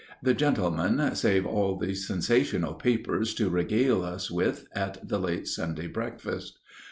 The gentlemen save all the sensational papers to regale us with at the late Sunday breakfast.